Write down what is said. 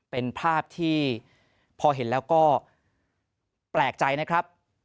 เป็นภาพที่พอเห็นแล้วก็แปลกใจนะครับ